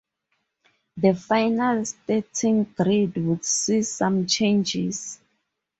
The final starting grid would see some changes.